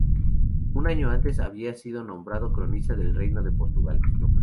Un año antes había sido nombrado cronista del reino de Portugal.